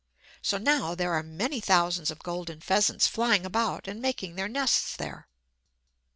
So now there are many thousands of golden pheasants flying about and making their nests there.